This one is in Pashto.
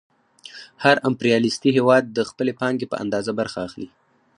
هر امپریالیستي هېواد د خپلې پانګې په اندازه برخه اخلي